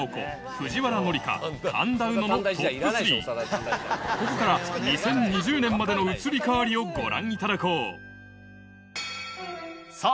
藤原紀香神田うののトップ３ここから２０２０年までの移り変わりをご覧いただこうさぁ